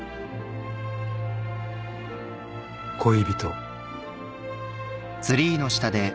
［恋人］